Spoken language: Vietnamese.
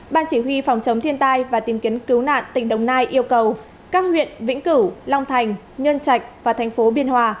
ban chỉ huy phòng chống thiên tai và tìm kiếm cứu nạn tỉnh đồng nai yêu cầu các huyện vĩnh cửu long thành nhân trạch và thành phố biên hòa